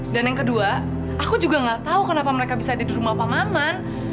dan yang kedua aku juga nggak tahu kenapa mereka bisa ada di rumah pak maman